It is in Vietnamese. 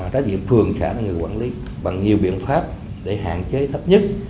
rất dịp thường sẽ là người quản lý bằng nhiều biện pháp để hạn chế thấp nhất